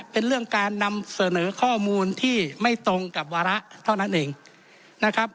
เป็นเรื่องการนำเสนอข้อมูลที่ไม่ตรงกับวาระเท่านั้นเองนะครับ